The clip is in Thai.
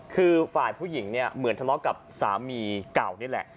คือฝ่ายผู้หญิงเนี่ยเหมือนทะเลาะกับสามีเก่านี่แหละ